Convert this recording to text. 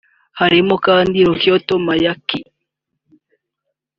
Harimo kandi Rakiatou Mayaki